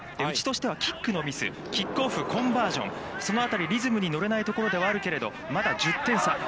うちとしては、キックのミス、キックオフ、コンバージョン、そのあたり、リズムに乗れないところではあるけれども、まだ１０点差。